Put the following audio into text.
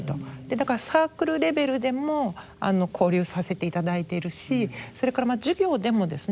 だからサークルレベルでも交流させていただいているしそれから授業でもですね